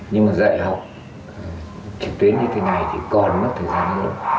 nhưng mà dạy học trực tuyến như thế này thì còn mất thời gian nữa